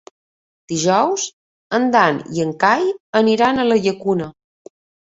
Dijous en Dan i en Cai aniran a la Llacuna.